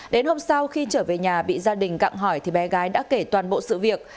đến hôm sau khi trở về nhà bị gia đình cặng hỏi thì bé gái đã kể toàn bộ sự việc